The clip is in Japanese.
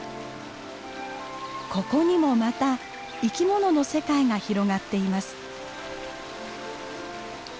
ここにもまた生き物の世界が広がっています。